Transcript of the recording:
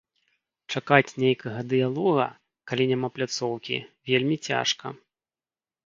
Чакаць нейкага дыялога, калі няма пляцоўкі, вельмі цяжка.